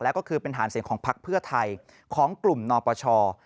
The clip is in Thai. แล้วก็คือเป็นฐานเสียงของพักเพื่อไทยของกลุ่มนปช